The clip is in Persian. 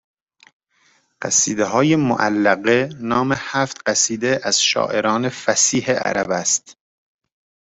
قصیده های معلقه نام هفت قصیده از شاعران فصیح عرب است